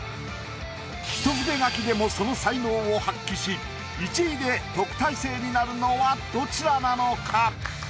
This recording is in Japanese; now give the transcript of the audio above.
一筆書きでもその才能を発揮し１位で特待生になるのはどちらなのか？